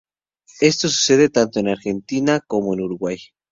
Esto sucede tanto en Argentina como en Uruguay.